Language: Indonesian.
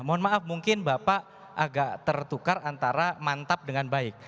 mohon maaf mungkin bapak agak tertukar antara mantap dengan baik